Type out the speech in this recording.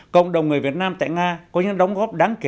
cộng đồng người việt nam tại nga có những đóng góp đáng kể